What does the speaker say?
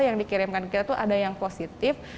yang dikirimkan kita tuh ada yang positif